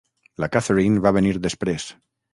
La Catherine va venir després.